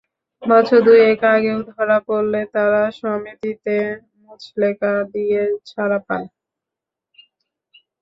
বছর দু-এক আগেও ধরা পড়লে তারা সমিতিতে মুচলেকা দিয়ে ছাড়া পান।